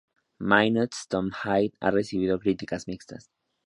Minutes To Midnight ha recibido críticas mixtas.